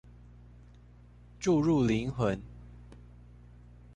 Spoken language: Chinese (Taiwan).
注入靈魂